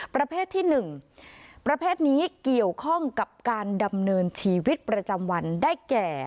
ประเภทที่๑ประเภทนี้เกี่ยวข้องกับการดำเนินชีวิตประจำวันได้แก่